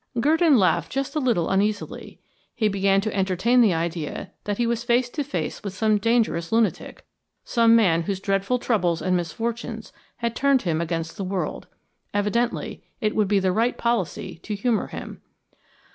Gurdon laughed just a little uneasily; he began to entertain the idea that he was face to face with some dangerous lunatic, some man whose dreadful troubles and misfortunes had turned him against the world. Evidently, it would be the right policy to humor him.